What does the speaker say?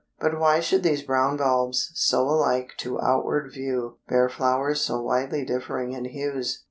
But why should these brown bulbs, so alike to outward view, bear flowers so widely differing in hues?